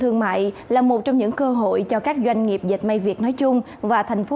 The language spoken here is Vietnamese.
thương mại là một trong những cơ hội cho các doanh nghiệp dệt may việt nói chung và thành phố